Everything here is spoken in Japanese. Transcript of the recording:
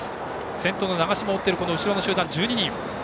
先頭の長嶋を追っている後ろの集団は１２人。